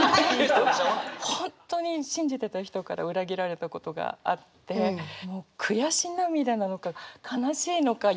本当に信じてた人から裏切られたことがあってもう悔し涙なのか悲しいのか怒りなのか分からない。